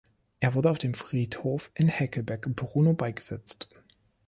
Er wurde auf dem Friedhof in Heckelberg-Brunow beigesetzt.